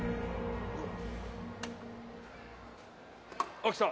「あっきた」